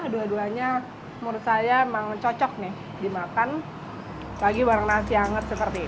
dua duanya menurut saya memang cocok nih dimakan lagi warna nasi hangat seperti ini